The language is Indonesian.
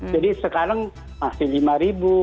jadi sekarang masih lima enam